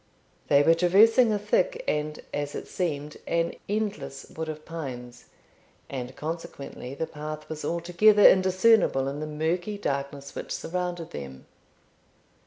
They were traversing a thick, and, as it seemed, an endless wood of pines, and consequently the path was altogether indiscernible in the murky darkness which surrounded them.